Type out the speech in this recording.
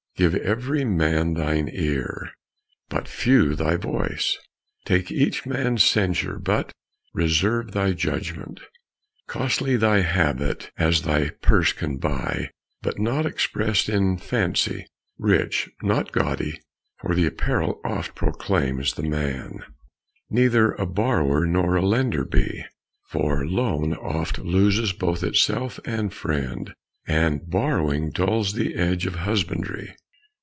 Give every man thine ear, but few thy voice; Take each man's censure, but reserve thy judgment. Costly thy habit as thy purse can buy, But not express'd in fancy; rich, not gaudy; For the apparel oft proclaims the man. Neither a borrower, nor a lender be; For loan oft loses both itself and friend, And borrowing dulls the edge of husbandry.